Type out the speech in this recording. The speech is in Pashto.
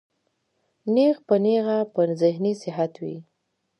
نېغ پۀ نېغه پۀ ذهني صحت وي